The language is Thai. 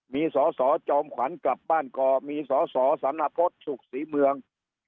มีสสจองขวัญกลับบ้านก่อมีสสสานปฏศุกร์สรีเมือง